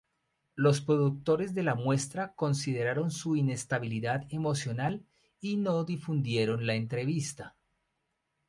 Los productores de la muestra consideraron su inestabilidad emocional y no difundieron la entrevista.